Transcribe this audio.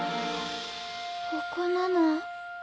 ここなの？